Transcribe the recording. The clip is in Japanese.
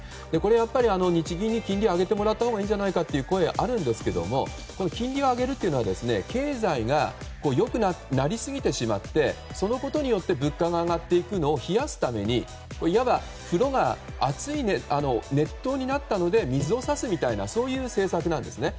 やっぱり日銀に金利を上げてもらったほうがいいんじゃないかという声がありますが金利を上げるというのは経済が良くなりすぎてしまってそのことによって物価が上がっていくのを冷やすためにいわば風呂が熱湯になったので水を差すみたいな政策なんですね。